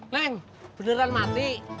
neng beneran mati